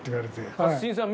勝新さん